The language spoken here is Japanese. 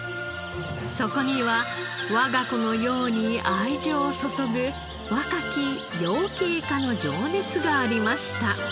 そこには我が子のように愛情を注ぐ若き養鶏家の情熱がありました。